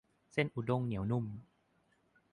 เส้นอุด้งเหนียวนุ่ม